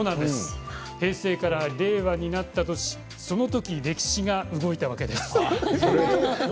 平成から令和になった年その時、歴史が動いたんです。